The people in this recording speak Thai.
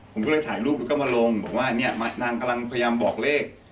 ผมก็เลยถ่ายรูปแล้วก็มาลงบอกว่าเนี่ยนางกำลังพยายามบอกเลข